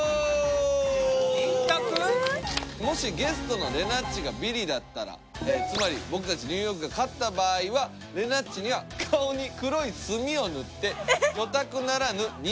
もしゲストの玲奈ッチがビリだったらつまり僕たちニューヨークが勝った場合は玲奈ッチには顔に黒い墨を塗って顔に？